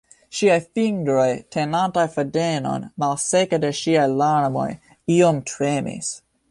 Ŝiaj fingroj, tenantaj fadenon, malseka de ŝiaj larmoj, iom tremis.